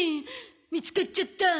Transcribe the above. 見つかっちゃった。